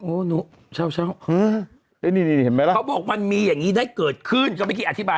โอหนูเชียวเห็นไหมล่ะเขาบอกว่ามีอย่างนี้ได้เกิดขึ้นก็ไม่ได้อธิบายให้ฟัง